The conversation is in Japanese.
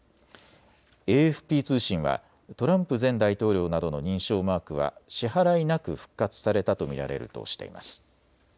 ＡＦＰ通信はトランプ前大統領などの認証マークは支払いなく復活されたと見られるとしています。